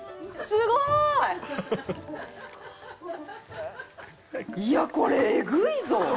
すごい！いやこれえぐいぞ！